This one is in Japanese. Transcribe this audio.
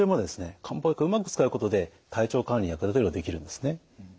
漢方薬をうまく使うことで体調管理に役立てることができるんですね。